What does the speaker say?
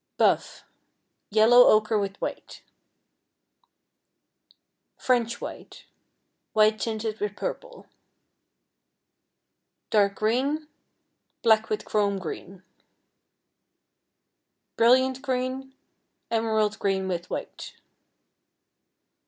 Buff, yellow ochre with white. French White, white tinted with purple. Dark Green, black with chrome green. Brilliant Green, emerald green with white.